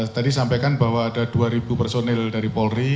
tadi sampaikan bahwa ada dua personil dari polri